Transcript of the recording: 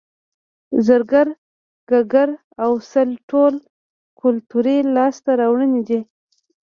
زرګر ګګر او سل ټول کولتوري لاسته راوړنې دي